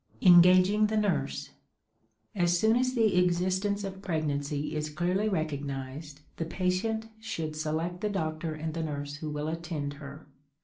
ENGAGING THE NURSE. As soon as the existence of pregnancy is clearly recognized the patient should select the doctor and the nurse who will attend her.